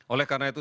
oleh karena itu